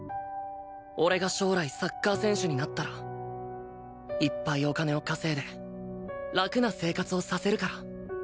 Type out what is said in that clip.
俺が将来サッカー選手になったらいっぱいお金を稼いで楽な生活をさせるから